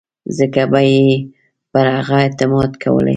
څنګه به یې پر هغه اعتماد کولای.